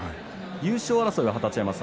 優勝争い